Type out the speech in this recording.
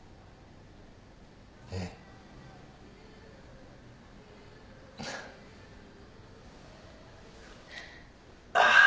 ええ。ああ。